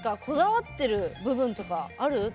こだわってる部分とかある？